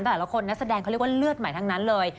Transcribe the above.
แต่ละคนนักแสดงเขาเรียกว่าเลือดใหม่ทั้งนั้นเลย